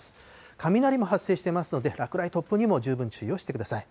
雷も発生していますので、落雷、突風にも十分注意をしてください。